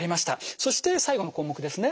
そして最後の項目ですね。